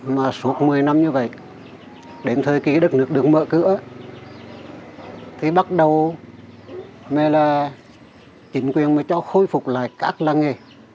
mà suốt một mươi năm như vậy đến thời kỳ đất nước được mở cửa thì bắt đầu mới là chính quyền mới cho khôi phục lại các làng nghề